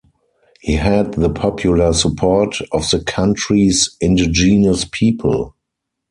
He had the popular support of the country's indigenous people.